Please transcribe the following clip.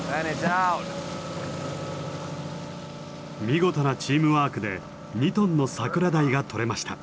見事なチームワークで２トンのサクラダイがとれました。